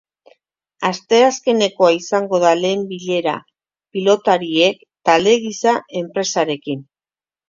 Asteazkenekoa izango da lehen bilera pilotariek, talde gisa, enpresarekin.